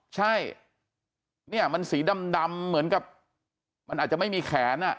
ใช่เนี่ยมันสีดำเหมือนกับมันอาจจะไม่มีแขน